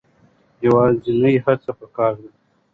یوازې هڅه پکار ده.